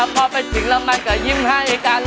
พอไปถึงแล้วมันก็ยิ้มให้กัน